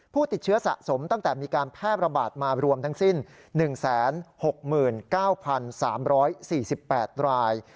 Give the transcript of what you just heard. ผู้ติดเชื้อสะสมตั้งแต่มีการแพร่ระบาดมารวมทั้งสิ้น๑๖๙๓๔๘ราย